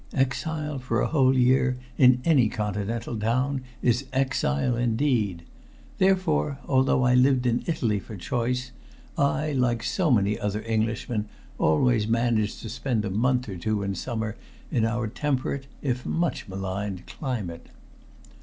Exile for a whole year in any continental town is exile indeed; therefore, although I lived in Italy for choice, I, like so many other Englishmen, always managed to spend a month or two in summer in our temperate if much maligned climate.